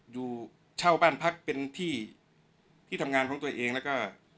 อยู่เช่าบ้านพักเป็นที่ที่ทำงานของตัวเองแล้วก็